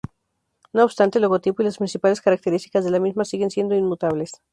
No obstante, el logotipo y las principales características de la misma siguen siendo inmutables.